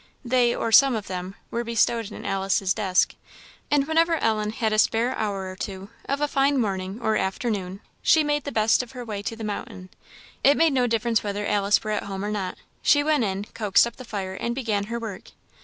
They, or some of them, were bestowed in Alice's desk; and whenever Ellen had a spare hour or two, of a fine morning or afternoon, she made the best of her way to the mountain; it made no difference whether Alice were at home or not she went in, coaxed up the fire, and began her work.